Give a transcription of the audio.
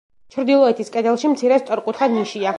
ჩრდილოეთის კედელში მცირე სწორკუთხა ნიშია.